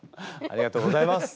ありがとうございます。